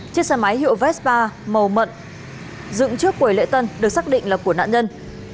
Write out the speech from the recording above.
chiếc xe máy hiệu vespa màu mận dựng trước quầy lễ tân được xác định là của nạn nhân